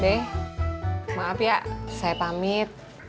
deh maaf ya saya pamit